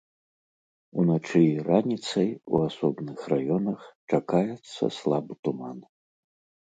Уначы і раніцай у асобных раёнах чакаецца слабы туман.